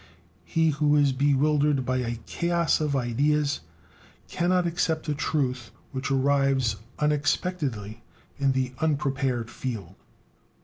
He who is bewildered by a chaos of ideas cannot accept a truth which arrives unexpectedly in the unprepared field.